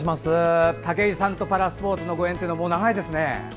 武井さんとパラスポーツとのご縁というのは長いですね。